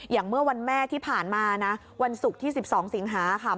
เมื่อวันแม่ที่ผ่านมานะวันศุกร์ที่๑๒สิงหาค่ะ